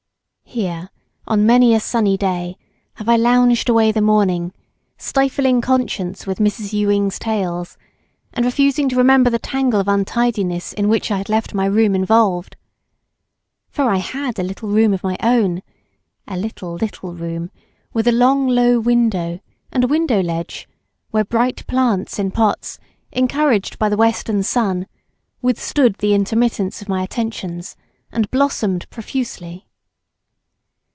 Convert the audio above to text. Here, on many a sunny day, have I lounged away the morning, stifling conscience with Mrs. Ewing's tales, and refusing to remember the tangle of untidiness in which I had left my room involved. For I had a little room of my own, a little, little room, with a long low window and a window ledge, where bright plants in pots, encouraged by the western sun, withstood the intermittence of my attentions, and blossomed profusely.